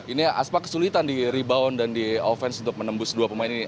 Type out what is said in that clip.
ini aspa kesulitan di rebound dan di offense untuk menembus dua pemain ini